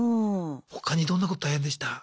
他にどんなこと大変でした？